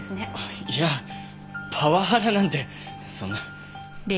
いやパワハラなんてそんな。